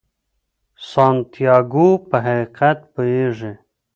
سانتیاګو په حقیقت پوهیږي.